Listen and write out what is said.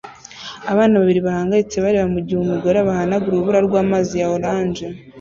Abana babiri bahangayitse bareba mugihe umugore abahanagura urubura rwamazi ya orange